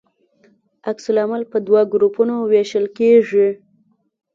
عکس العمل په دوه ګروپونو ویشل کیږي.